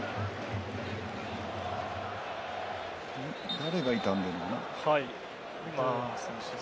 誰が痛んでるんだ？